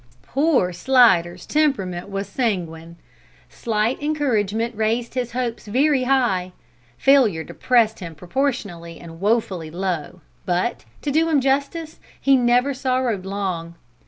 Poor Slidder's temperament was sanguine. Slight encouragement raised his hopes very high. Failure depressed him proportionally and woefully low, but, to do him justice, he never sorrowed long.